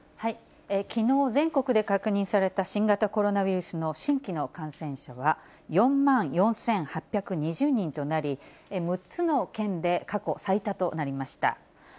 きのう、全国で確認された新型コロナウイルスの新規の感染者は４万４８２０人となり、６つの県で過去最多となりました。